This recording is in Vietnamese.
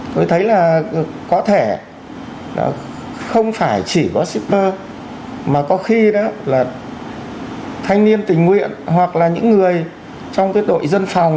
tôi thấy là có thể không phải chỉ có shipper mà có khi đó là thanh niên tình nguyện hoặc là những người trong cái đội dân phòng